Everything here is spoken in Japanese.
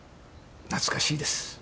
懐かしいです。